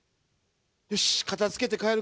よし片づけて帰るか。